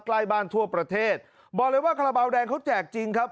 ใกล้บ้านทั่วประเทศบอกเลยว่าคาราบาลแดงเขาแจกจริงครับ